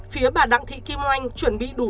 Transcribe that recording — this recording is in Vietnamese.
phía bà đặng thị kim oanh chuẩn bị đủ